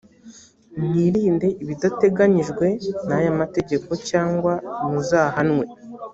mwirinde ibidateganyijwe n aya mategeko cyangwa muzahanwe